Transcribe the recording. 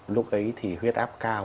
lúc ấy thì huyết áp cao